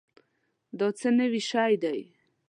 دا څه نوي شی دی؟